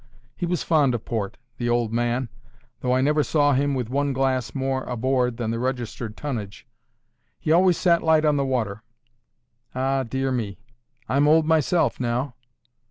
He was fond of port—the old man—though I never saw him with one glass more aboard than the registered tonnage. He always sat light on the water. Ah, dear me! I'm old myself now."